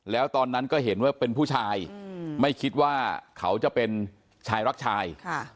แล้วตอนนั้นก็เห็นว่าเป็นผู้ชายไม่คิดว่าเขาจะเป็นชายรักชาย